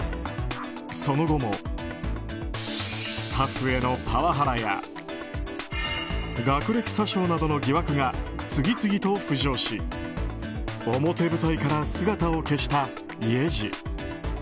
その後もスタッフへのパワハラや学歴詐称などの疑惑が次々と浮上し表舞台から姿を消したイェジ。